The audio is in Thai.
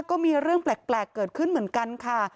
ก็มีเรื่องแปลกเกิดขึ้นเหมือนกันค่ะ